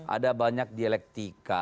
ada banyak dialektika